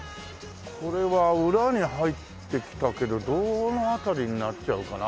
これは裏に入ってきたけどどの辺りになっちゃうかな？